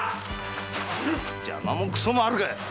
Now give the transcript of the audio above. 邪魔もくそもあるかい。